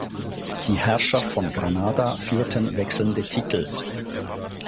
Die Herrscher von Granada führten wechselnde Titel.